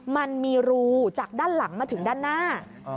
มันมีรูจากด้านหลังมาถึงด้านหน้า